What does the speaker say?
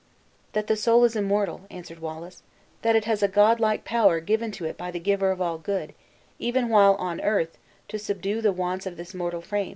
"That the soul is immortal," answered Wallace; "that it has a godlike power given to it by the Giver of all good, even while on earth, to subdue the wants of this mortal frame.